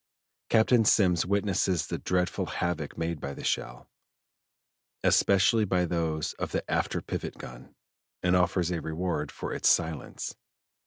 Captain Semmes witnesses the dreadful havoc made by the shell, especially by those of the after pivot gun, and offers a reward for its silence.